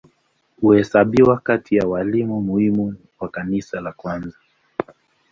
Huhesabiwa kati ya walimu muhimu wa Kanisa la kwanza.